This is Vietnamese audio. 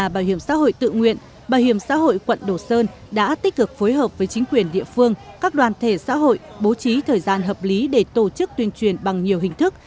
bảo hiểm xã hội quận độ sơn đã tích cực phối hợp với chính quyền địa phương các đoàn thể xã hội bố trí thời gian hợp lý để tổ chức tuyên truyền bằng nhiều hình thức